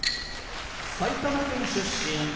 埼玉県出身